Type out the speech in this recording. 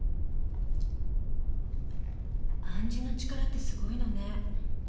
暗示の力ってすごいのね。